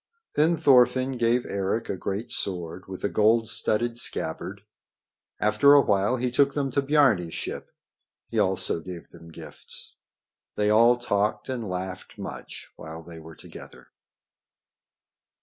Then Thorfinn gave Eric a great sword with a gold studded scabbard. After a while he took them to Biarni's ship. He also gave them gifts. They all talked and laughed much while they were together.